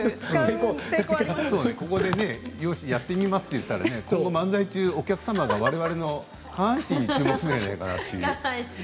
ここでよしやってみますと言ったら漫才中、お客様がわれわれの下半身に注目するんじゃないかなと。